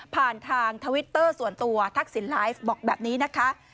ผ่านทางทวิตเตอร์ส่วนตัวทักษิณไลฟ์บอกแบบนี้นะคะ